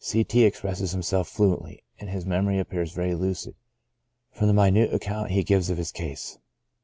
C. T — expresses himself fluently, and his memory appears very lucid, from the minute account he gives of his case.